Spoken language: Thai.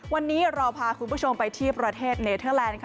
วันนี้เราพาคุณผู้ชมไปที่ประเทศเนเทอร์แลนด์ค่ะ